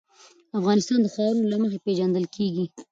افغانستان د ښارونه له مخې پېژندل کېږي.